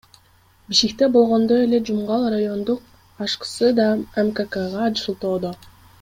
Бишкекте болгондой эле Жумгал райондук АШКсы да МККга шылтоодо.